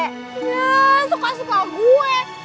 iya suka suka gue